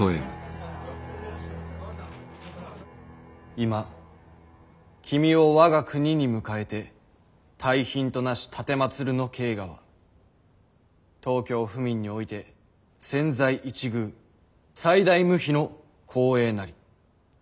「今君を我が国に迎えて大賓となし奉るの慶賀は東京府民において千載一遇最大無比の光栄なり。